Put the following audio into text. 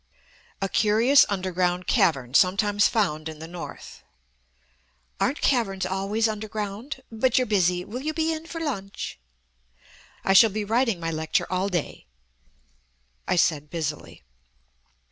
"A curious underground cavern sometimes found in the North." "Aren't caverns always underground? But you're busy. Will you be in for lunch?" "I shall be writing my lecture all day," I said busily.